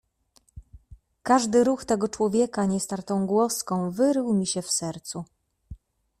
"Każdy ruch tego człowieka niestartą głoską wyrył mi się w sercu."